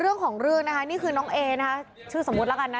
เรื่องของเรื่องนี่คือน้องเอคือสมมุตินะคะ